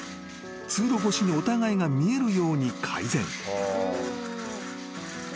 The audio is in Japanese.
通路越しにお互いが見えるように改善］